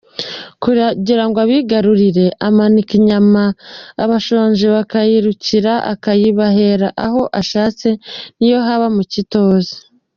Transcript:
Kugirango abigarurire, amanika inyama abashonji bakayirukira akayibahera aho ashatse n’iyo haba mu kitoze.